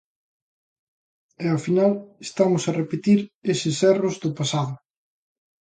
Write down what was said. E ao final estamos a repetir eses erros do pasado.